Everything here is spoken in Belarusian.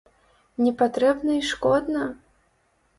Не патрэбна і шкодна?